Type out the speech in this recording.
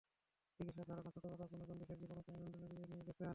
চিকিৎসকদের ধারণা, ছোটবেলার কোনো জন্ডিসের জীবাণু তিনি লন্ডনে বয়ে নিয়ে গিয়েছিলেন।